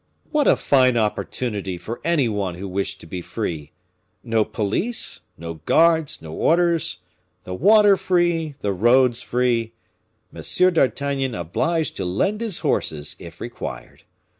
What a fine opportunity for any one who wished to be free! No police, no guards, no orders; the water free, the roads free, Monsieur d'Artagnan obliged to lend his horses, if required.